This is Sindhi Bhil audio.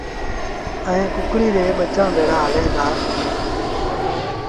ائيٚݩ ڪڪڙي ري ٻچآݩ ڀيڙآ هليݩ دآ۔